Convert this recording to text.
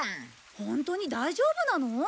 ホントに大丈夫なの？